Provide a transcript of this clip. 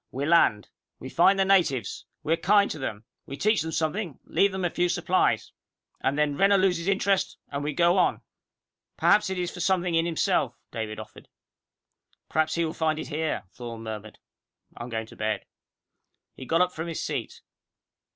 We land. We find the natives. We are kind to them. We teach them something, and leave them a few supplies. And then Renner loses interest, and we go on!" "Perhaps it is for something in himself," David offered. "Perhaps he will find it here," Thorne murmured. "I'm going to bed." He got up from his seat.